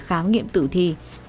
để khám nghiệm tử thi